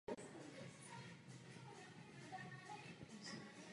Na brutální činy, které se odehrály v Guineji, nemůžeme nereagovat.